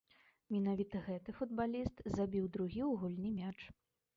Менавіта гэты футбаліст забіў другі ў гульні мяч.